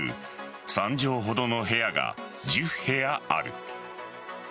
３畳ほどの部屋が１０部屋ある。